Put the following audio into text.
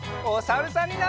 おさるさん。